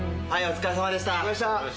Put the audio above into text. お疲れさまでした。